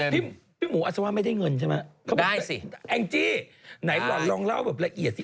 สรุปพี่หมูอาศวะไม่ได้เงินใช่ไหมแองจี้ไหนหวันลองเล่าแบบละเอียดสิ